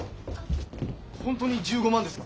本当に１５万ですか？